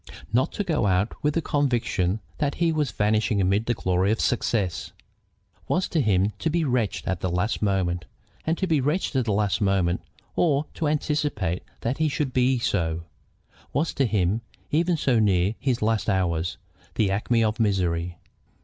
Not to go out with the conviction that he was vanishing amid the glory of success, was to him to be wretched at his last moment, and to be wretched at his last moment, or to anticipate that he should be so, was to him, even so near his last hours, the acme of misery.